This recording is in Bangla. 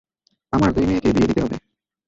আমার দুই মেয়েকে বিয়ে দিতে হবে।